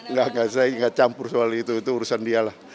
nggak saya nggak campur soal itu itu urusan dia lah